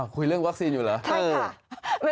คุยเรื่องวัคซีนอยู่เหรอ